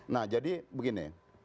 nah jadi begini